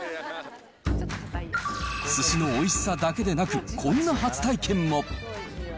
すしのおいしさだけでなく、こんな初体験も。